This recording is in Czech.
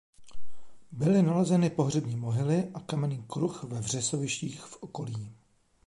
Byly nalezeny pohřební mohyly a kamenný kruh ve vřesovištích v okolí.